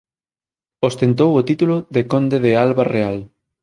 Ostentou o título de Conde de Alba Real.